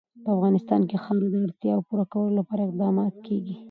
په افغانستان کې د خاوره د اړتیاوو پوره کولو لپاره اقدامات کېږي.